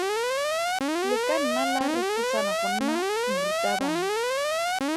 Le ka nna la refosana go nna morutabana.